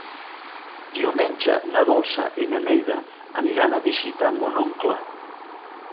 Diumenge na Dolça i na Neida aniran a visitar mon oncle.